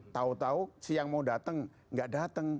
tau tau siang mau datang nggak datang